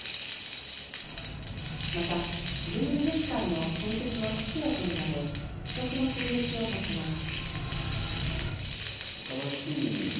また、ジブリ美術館の建設の指揮を執るなど、異色の経歴を持ちます。